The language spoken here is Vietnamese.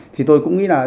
thì tôi cũng nghĩ là